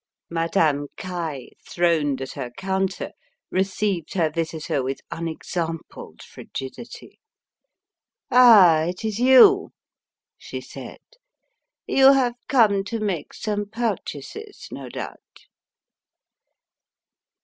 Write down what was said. Madame Caille, throned at her counter, received her visitor with unexampled frigidity. "Ah, it is you," she said. "You have come to make some purchases, no doubt."